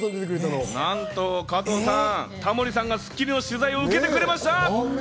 なんと加藤さん、タモリさんが『スッキリ』の取材を受けてくれました。